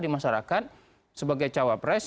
di masyarakat sebagai cawapres